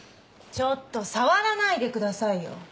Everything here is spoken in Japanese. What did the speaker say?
ちょっと触らないでくださいよ！